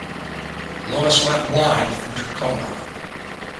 Lewis went blind from trachoma.